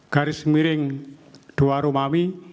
garis miring dua rumawi